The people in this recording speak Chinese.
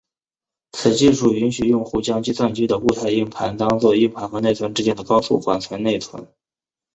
此技术允许用户将计算机的固态硬盘当做硬盘和内存之间的高速缓存内存。